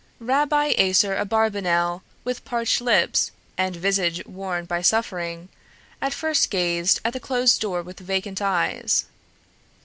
Rabbi Aser Abarbanel, with parched lips and visage worn by suffering, at first gazed at the closed door with vacant eyes.